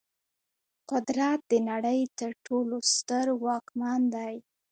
قدرت د نړۍ تر ټولو ستر واکمن دی.